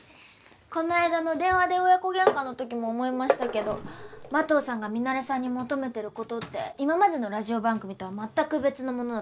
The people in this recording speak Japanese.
この間の電話で親子喧嘩の時も思いましたけど麻藤さんがミナレさんに求めてる事って今までのラジオ番組とは全く別のものだと思うんですよね。